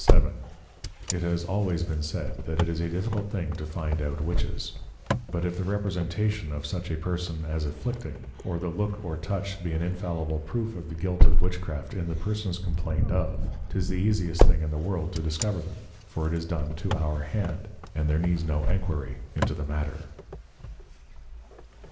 It has always been said, that it is a difficult thing to find out Witches: But if the Representation of such a Person as afflicting, or the Look or Touch be an infallible proof of the guilt of Witchcraft in the Persons complained of, 'tis the easiest thing in the World to discover them; for it is done to our hand, and there needs no enquiry into the Matter.